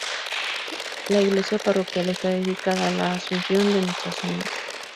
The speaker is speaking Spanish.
La iglesia parroquial está dedicada a La Asunción de Nuestra Señora.